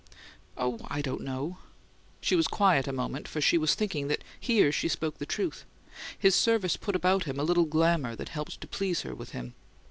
"Oh, I don't know." She was quiet a moment, for she was thinking that here she spoke the truth: his service put about him a little glamour that helped to please her with him.